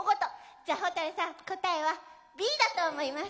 じゃあホタルさん答えはＢだと思います。